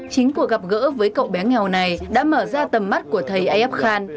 chính cuộc gặp gỡ với cậu bé nghèo này đã mở ra tầm mắt của thầy ayyub khan